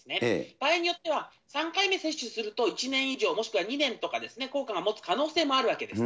場合によっては、３回目接種すると、１年以上、もしくは２年とか、効果がもつ可能性もあるわけです。